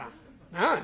なあ。